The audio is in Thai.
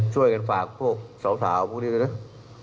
ช่วยกันฝากพวกสาวพวกนี้ด้วยนะ